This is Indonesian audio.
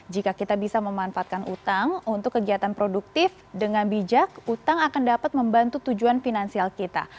jika kita bisa memanfaatkan utang untuk kegiatan produktif dengan bijak utang akan dapat membantu tujuan finansial kita